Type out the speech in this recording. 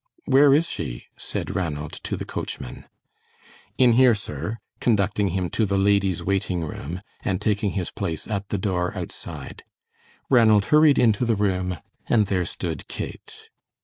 "Where is she?" said Ranald to the coachman. "In here, sir," conducting him to the ladies' waiting room, and taking his place at the door outside. Ranald hurried into the room, and there stood Kate.